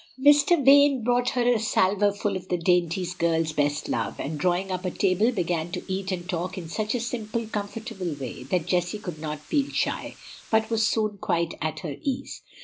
Mr. Vane brought her a salver full of the dainties girls best love, and drawing up a table began to eat and talk in such a simple, comfortable way that Jessie could not feel shy, but was soon quite at her ease.